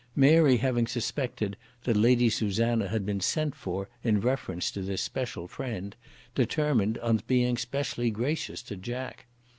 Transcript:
Mary having suspected that Lady Susanna had been sent for in reference to this special friend, determined on being specially gracious to Jack.